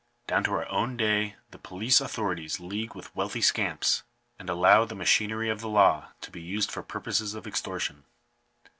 Down to our own day the police authorities league with wealthy scamps, and allow the machinery of the law to be used for purposes of extortion.